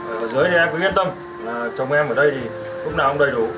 ở dưới em cứ yên tâm là chồng em ở đây lúc nào cũng đầy đủ